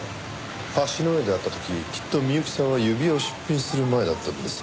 橋の上で会った時きっと美由紀さんは指輪を出品する前だったんです。